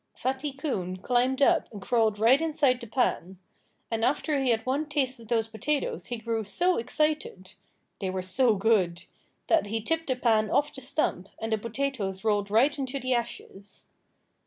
Fatty Coon climbed up and crawled right inside the pan. And after he had had one taste of those potatoes he grew so excited they were so good that he tipped the pan off the stump and the potatoes rolled right into the ashes.